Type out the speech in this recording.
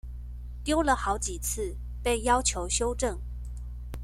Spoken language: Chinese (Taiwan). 丟了好幾次被要求修正